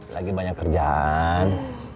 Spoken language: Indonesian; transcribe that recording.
lagi banyak kerjaan